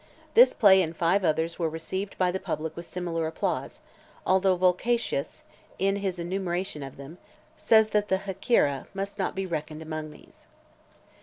This play and five others were received by the public with similar applause, although Volcatius, in his enumeration of them, says that "The Hecyra must not be reckoned among these."